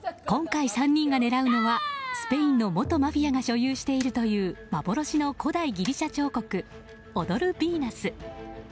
今回３人が狙うのはスペインの元マフィアが所有しているという幻の古代ギリシャ彫刻踊るビーナス。